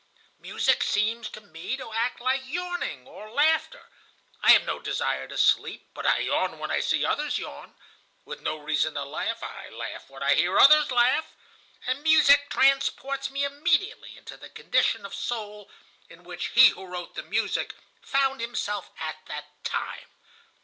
Music seems to me to act like yawning or laughter; I have no desire to sleep, but I yawn when I see others yawn; with no reason to laugh, I laugh when I hear others laugh. And music transports me immediately into the condition of soul in which he who wrote the music found himself at that time.